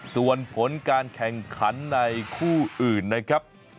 ส่วนผลการแข่งขันในคู่อื่นนะครับ